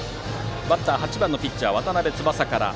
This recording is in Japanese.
バッターは８番、ピッチャーの渡邉翼から。